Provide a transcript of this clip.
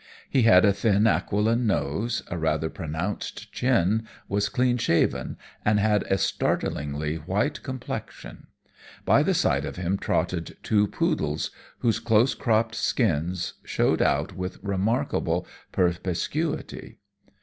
He had a thin, aquiline nose, a rather pronounced chin, was clean shaven, and had a startlingly white complexion. By the side of him trotted two poodles, whose close cropped skins showed out with remarkable perspicuity.